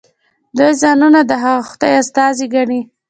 دوی ځانونه د هغه خدای استازي ګڼي.